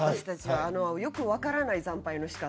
あのよく分からない惨敗の仕方。